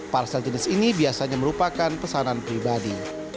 parsel jenis ini biasanya merupakan pesanan pribadi